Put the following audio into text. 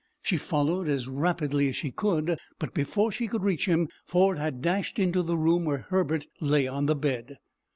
She followed as rapidly as she could, but before she could reach him, Ford had dashed into the room where Herbert lay on the bed.